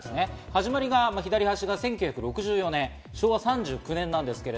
始まりが１９６４年、昭和３９年です。